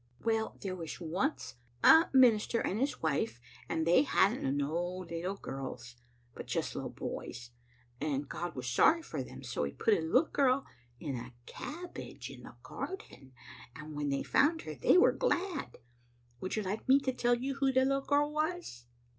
Well, there was once a minister and his wife, and they hadn't no little girls, but just little boys, and God was sorry for them, so He put a little girl in a cabbage in the garden, and when they found her they were glad. Would you like me to tell you who the little girl was?